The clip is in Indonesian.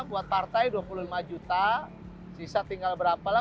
buat partai dua puluh lima juta sisa tinggal berapa lah